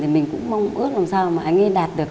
thì mình cũng mong ước làm sao mà anh ấy đạt được